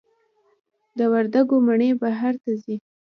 د وردګو مڼې بهر ته ځي؟